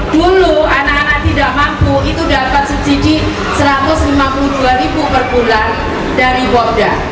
dulu anak anak tidak mampu itu dapat subsidi rp satu ratus lima puluh dua per bulan dari bobda